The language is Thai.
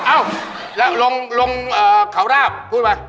เอ้าแล้วลงเขาราบพูดไป